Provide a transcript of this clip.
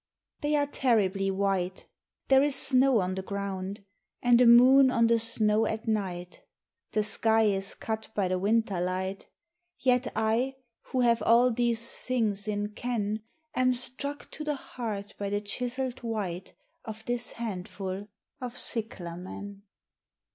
^HEY are terribly white: There is snow on the ground, And a moon on the snow at night ; The sky is cut by the winter light ; Yet I, who have all these things in ken, Am struck to the heart by the chiselled white Of this handful of cyclamen.